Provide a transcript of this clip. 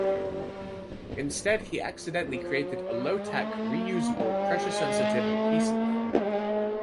Instead he accidentally created a "low-tack," reusable, pressure-sensitive adhesive.